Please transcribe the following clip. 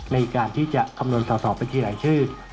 ในการที่จะคำนวณสอบเป็นที่หลายชื่อ